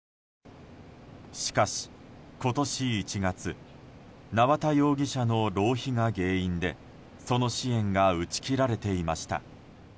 しかし今年１月縄田容疑者の浪費が原因でその支援が打ち切られていました。